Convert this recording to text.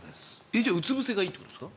じゃあ、うつぶせがいいってことですか？